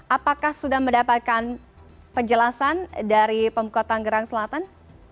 apakah sudah mendapatkan penjelasan dari pemkotan gerang selatan